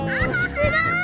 すごい！